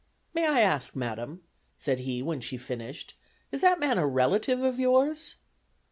"May I ask, madam," said he when she finished, "is that man a relative of yours?"